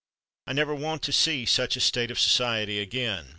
I never want to see such a state of society again.